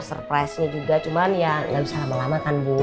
kejutan juga cuman ya gak bisa lama lama kan bu